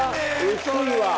薄いわ！